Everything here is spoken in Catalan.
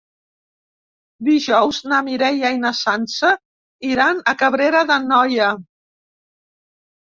Dijous na Mireia i na Sança iran a Cabrera d'Anoia.